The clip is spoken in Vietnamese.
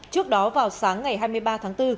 trước đó vào sáng ngày hai mươi ba tháng bốn